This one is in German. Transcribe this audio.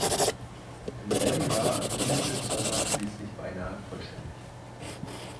Im selben Jahr erblindete Zeumer schließlich beinahe vollständig.